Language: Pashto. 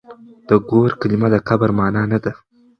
د ګور کلمه د کبر مانا نه ده.